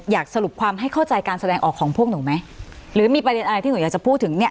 สรุปความให้เข้าใจการแสดงออกของพวกหนูไหมหรือมีประเด็นอะไรที่หนูอยากจะพูดถึงเนี่ย